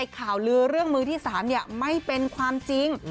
ข่าวลือเรื่องมือที่๓ไม่เป็นความจริง